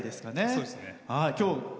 そうですね。